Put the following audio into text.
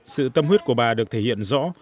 sự tâm huyết của bà được thể hiện rõ